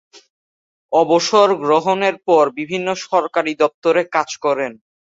অবসর গ্রহণের পর বিভিন্ন সরকারী দপ্তরে কাজ করেন।